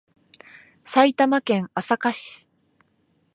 埼玉県朝霞市